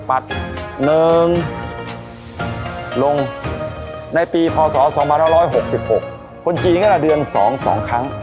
ลงในปีพศ๒๕๖๖คนจีนก็เดือน๒๒ครั้ง